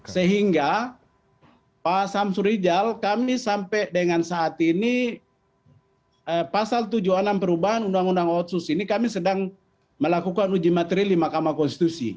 sehingga pak samsurijal kami sampai dengan saat ini pasal tujuh puluh enam perubahan undang undang otsus ini kami sedang melakukan uji materi di mahkamah konstitusi